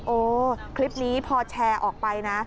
โอ้คลิปนี้พอแชร์ออกไปนะ